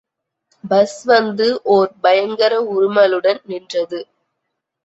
Bus வந்து ஓர் பயங்கர உறுமலுடன் நின்றது.